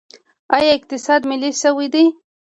آیا اقتصاد ملي شوی دی؟